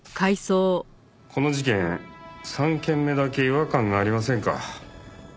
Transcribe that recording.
この事件３件目だけ違和感がありませんか？